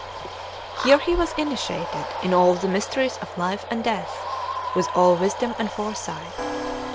Here he was initiated in all the mysteries of life and death, with all wisdom and foresight.